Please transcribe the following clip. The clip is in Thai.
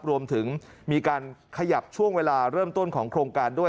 รวมถึงมีการขยับช่วงเวลาเริ่มต้นของโครงการด้วย